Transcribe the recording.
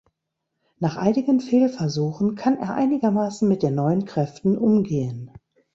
Nach einigen Fehlversuchen kann er einigermaßen mit den neuen Kräften umgehen.